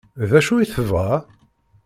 D acu i tebɣa?